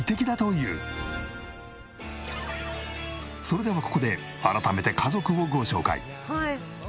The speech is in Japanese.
それではここで改めて家族をご紹介。